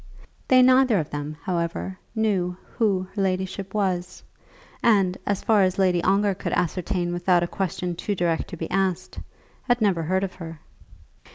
They neither of them, however, knew who her ladyship was, and, as far as Lady Ongar could ascertain without a question too direct to be asked, had never heard of her.